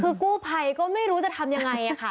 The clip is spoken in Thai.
คือกู้ภัยก็ไม่รู้จะทำอย่างไร